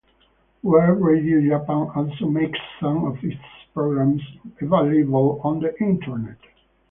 World Radio Japan also makes some of its programs available on the Internet.